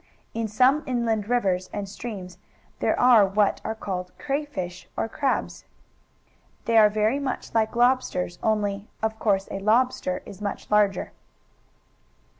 In some inland rivers and streams there are what are called crayfish, or crabs. They are very much like lobsters, only, of course, a lobster is much larger.